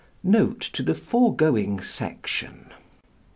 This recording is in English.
NOTE TO THE FOREGOING SECTION.